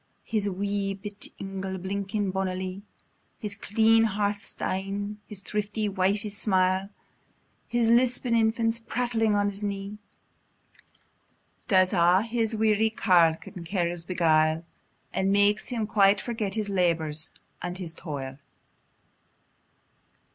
His wee bit ingle, blinkin bonilie, His clean hearth stane, his thrifty wifie's smile, The lisping infant, prattling on his knee, Does a' his weary kiaugh and care beguile, And makes him quite forget his labour and his toil.